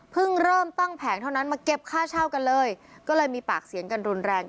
เริ่มตั้งแผงเท่านั้นมาเก็บค่าเช่ากันเลยก็เลยมีปากเสียงกันรุนแรง